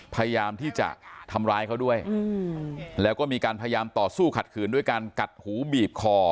พยายามที่จะทำร้ายเขาด้วยแล้วก็มีการพยายามต่อสู้ขัดขืนด้วยการกัดหูบีบคอ